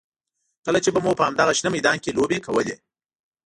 کله چې به مو په همدغه شنه میدان کې لوبې کولې.